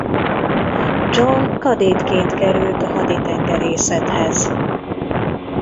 John kadétként került a haditengerészethez.